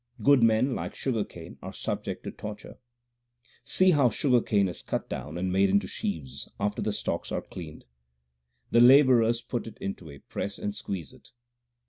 1 Good men, like sugar cane, are subject to torture: See how sugar cane is cut down and made into sheaves after the stalks are cleaned.. The labourers put it into a press and squeeze it.